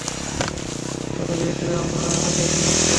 কথা দিয়েছিলে, আমরা আগে নাচবো।